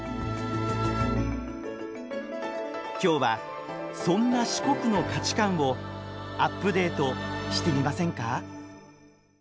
今日はそんな四国の価値観をアップデートしてみませんか？